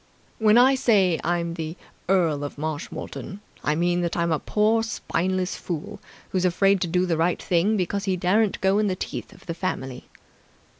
When I say 'I'm the Earl of Marshmoreton', I mean that I'm a poor spineless fool who's afraid to do the right thing because he daren't go in the teeth of the family."